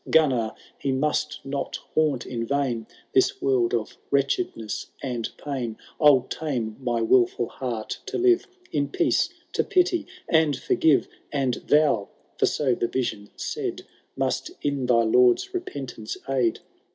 — GKmnar, he must not haunt in vain This world of wretchedness and pain : 111 tame my wilful heart to live In peace — ^to pity and forgive— And thou, for so the Vision said. Must in thy Lord^s repentance aid.